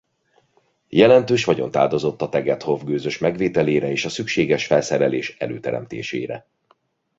Jelentős vagyont áldozott a Tegetthoff gőzös megvételére és a szükséges felszerelés előteremtésére.